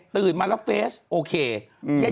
มาแล้วเฟสโอเค